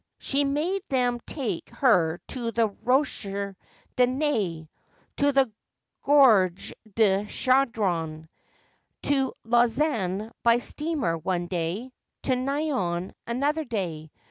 She made them take her to the Rochers de Naye, to the Gorge du Chauderon ; to Lausanne by steamer one day, to Nyon another day.